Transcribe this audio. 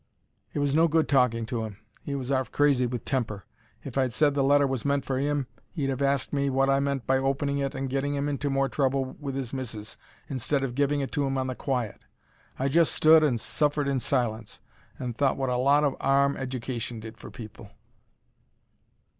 It was no good talking to 'im. He was 'arf crazy with temper. If I'd said the letter was meant for 'im he'd 'ave asked me wot I meant by opening it and getting 'im into more trouble with 'is missis, instead of giving it to 'im on the quiet. I just stood and suffered in silence, and thought wot a lot of 'arm eddication did for people.